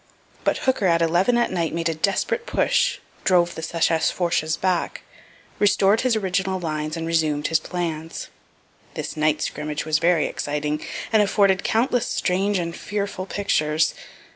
But Hooker at 11 at night made a desperate push, drove the secesh forces back, restored his original lines, and resumed his plans. This night scrimmage was very exciting, and afforded countless strange and fearful pictures.